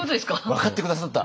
分かって下さった！